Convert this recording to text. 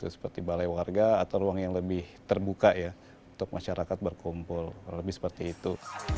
seperti balai warga atau ruang yang lebih terbuka ya untuk masyarakat berkumpul lebih seperti itu